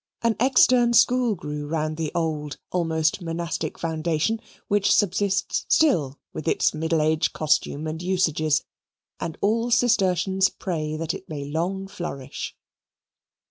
An extern school grew round the old almost monastic foundation, which subsists still with its middle age costume and usages and all Cistercians pray that it may long flourish.